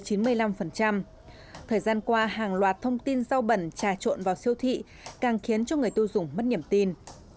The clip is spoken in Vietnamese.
thời gian qua hàng loạt thông tin rau bẩn trà trộn vào siêu thị càng khiến cho người tiêu dùng mất niềm tin